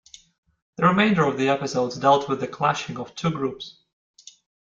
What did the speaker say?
The remainder of the episodes dealt with the clashing of the two groups.